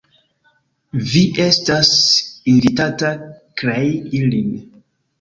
Vi estas invitata krei ilin!